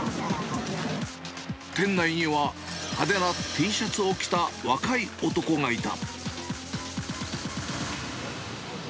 店内には、派手なＴシャツを着た若い男がいた。